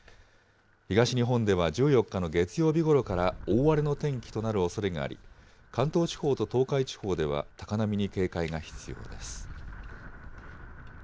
東日本では、１４日の月曜日ごろから、大荒れの天気となるおそれがあり、関東地方と東海地方では高波に警戒が必要です。